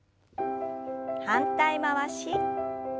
反対回し。